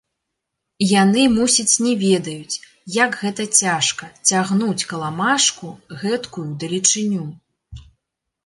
Яны, мусіць, не ведаюць, як гэта цяжка цягнуць каламажку гэткую далечыню?